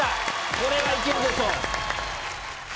これは行けるでしょう。